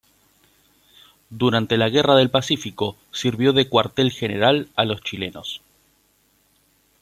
Durante la Guerra del Pacífico sirvió de cuartel general a los chilenos.